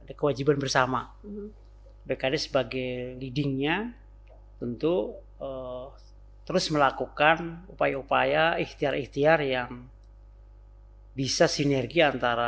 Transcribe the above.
ada kewajiban bersama bkd sebagai leadingnya untuk terus melakukan upaya upaya ikhtiar ikhtiar yang bisa sinergi antara